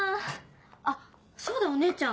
あっそうだお姉ちゃん